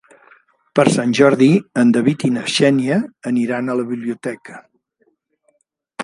Per Sant Jordi en David i na Xènia aniran a la biblioteca.